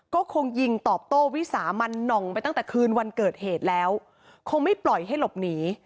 ก็คงยิงตอบโต้วิสามันหน่องไปตั้งแต่คืนวันเกิดเหตุแล้วคงไม่ปล่อยให้หลบหนี